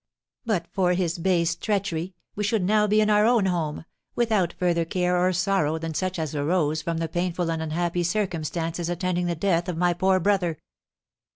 But for his base treachery we should now be in our own home, without further care or sorrow than such as arose from the painful and unhappy circumstances attending the death of my poor brother.